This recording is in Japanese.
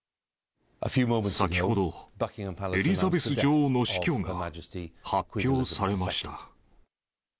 先ほど、エリザベス女王の死去が発表されました。